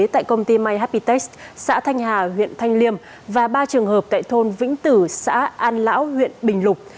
tại công ty myhappytest xã thanh hà huyện thanh liêm và ba trường hợp tại thôn vĩnh tử xã an lão huyện bình lục